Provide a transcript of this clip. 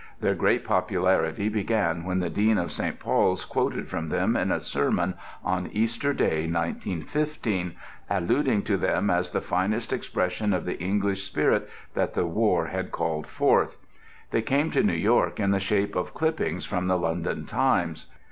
Their great popularity began when the Dean of St. Paul's quoted from them in a sermon on Easter Day, 1915, alluding to them as the finest expression of the English spirit that the War had called forth. They came to New York in the shape of clippings from the London Times.